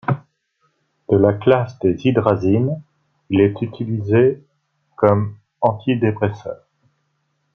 De la classe des hydrazines, il est utilisé comme antidépresseur.